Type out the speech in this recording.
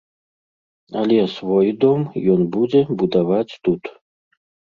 Але свой дом ён будзе будаваць тут.